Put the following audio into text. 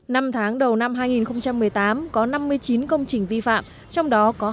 năm tháng đầu năm hai nghìn một mươi tám có năm mươi chín công trình vi phạm trong đó có hai mươi tám dự án